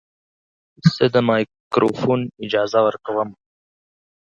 زه د مایکروفون اجازه ورکوم.